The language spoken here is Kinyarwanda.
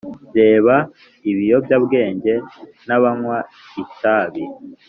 reba ibiyobyabwenge n'abanywa itabi